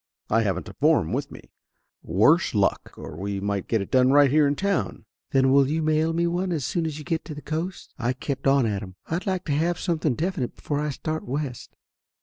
I haven't a form with me, worse luck, or we might get it done right here in town." "Then will you mail me one as soon as you get to the Coast?" I kept on at him. "I'd like to have some thing definite before I start West."